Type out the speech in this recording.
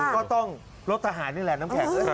ก็ต้องรถทหารนี่แหละน้ำแข็ง